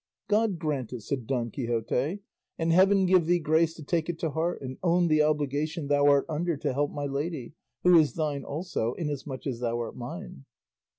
"God grant it," said Don Quixote; "and heaven give thee grace to take it to heart and own the obligation thou art under to help my lady, who is thine also, inasmuch as thou art mine."